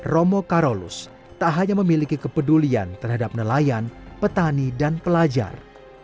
romo karolus tak hanya memiliki kepedulian terhadap nelayan petani dan pelajar